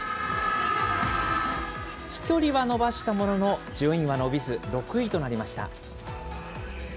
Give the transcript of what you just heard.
飛距離は伸ばしたものの、順位は伸びず６位となりました。